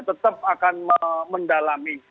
tetap akan mendalami